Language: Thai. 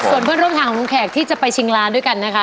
ส่วนเพื่อนร่วมทางของคุณแขกที่จะไปชิงร้านด้วยกันนะคะ